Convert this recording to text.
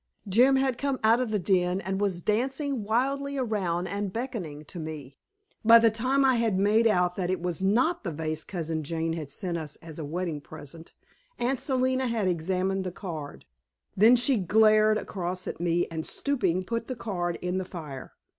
Jim had come out of the den and was dancing wildly around and beckoning to me. By the time I had made out that that was NOT the vase Cousin Jane had sent us as a wedding present, Aunt Selina had examined the card. Then she glared across at me and, stooping, put the card in the fire.